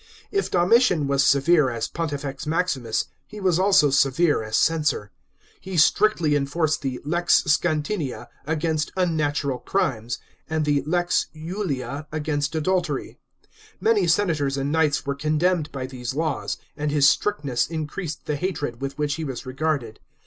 § If Domitian was severe as Pontifex Maximus, he was also severe as censor. He strictly enforced the lex Scantinia against unnatural crimes, and the lex lulia anainst adultery. Many senators and knights were condemned by these laws, and his strictness increased the hatred with which he was regarded.